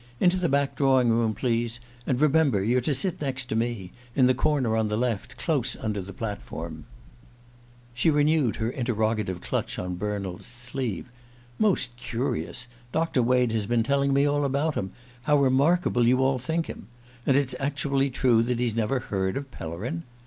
"Into the back drawing room, please! And remember, you're to sit next to me in the corner on the left, close under the platform." She renewed her interrogative clutch on Bernald's sleeve. "Most curious! Doctor Wade has been telling me all about him how remarkable you all think him. And it's actually true that he's never heard of Pellerin?